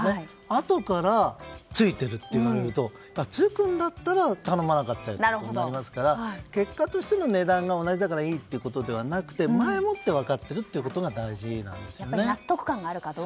あとからついているといわれるとつくんだったら頼まなかったと思いますから結果としての値段が同じだからいいってことではなくて前もって分かっていることが大事なんですね。